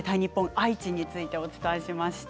愛知についてお伝えしました。